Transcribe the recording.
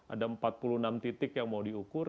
ada empat puluh enam titik yang mau diukur